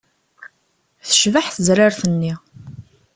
Tecbeḥ tezrart-nni.